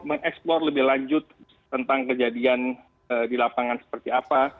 mengeksplor lebih lanjut tentang kejadian di lapangan seperti apa